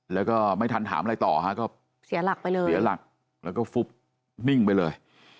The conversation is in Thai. แล้วก็ไม่ทันถามอะไรต่อฮะก็เสียหลักไปเลยเสียหลักแล้วก็ฟุบนิ่งไปเลย